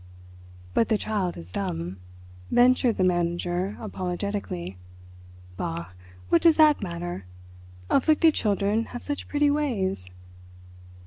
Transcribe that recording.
"But the child is dumb," ventured the manager apologetically. "Bah! What does that matter? Afflicted children have such pretty ways."